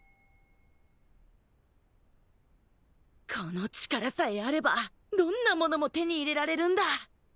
この力さえあればどんなものも手に入れられるんだ。